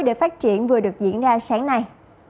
để phát triển vừa được diễn ra sáng nay